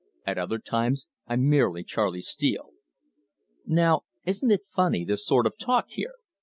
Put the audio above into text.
At other times I'm merely Charley Steele! Now isn't it funny, this sort of talk here?"